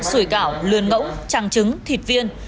sủi cảo lươn ngỗng tràng trứng thịt viên